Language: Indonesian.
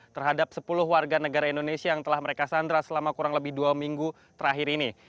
terhadap sepuluh warga negara indonesia yang telah mereka sandra selama kurang lebih dua minggu terakhir ini